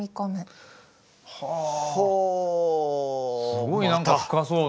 すごい何か深そうな感じ。